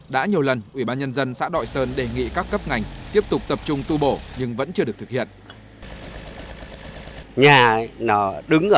đã nhiều lần ủy ban nhân dân xã đội sơn đề nghị các cấp ngành tiếp tục tập trung tu bổ nhưng vẫn chưa được thực hiện